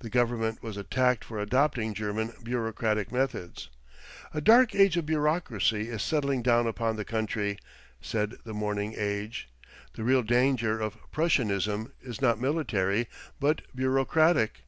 The Government was attacked for adopting German bureaucratic methods. "A dark age of bureaucracy is settling down upon the country," said The Morning Age. "The real danger of Prussianism is not military, but bureaucratic."